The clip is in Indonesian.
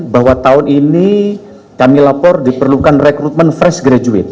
bahwa tahun ini kami lapor diperlukan rekrutmen fresh graduate